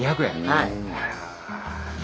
はい。